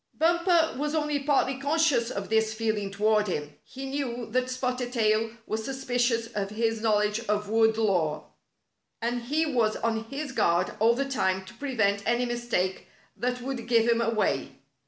Bumper was only partly conscious of this feel ing toward him. He knew that Spotted Tail was suspicious of his knowledge of wood lore, and he was on his guard all the time to prevent any mistake that would give him away.